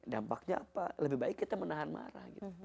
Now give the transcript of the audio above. dampaknya apa lebih baik kita menahan marah